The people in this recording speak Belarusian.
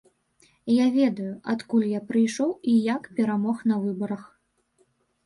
Я ведаю, адкуль я прыйшоў і як перамог на выбарах.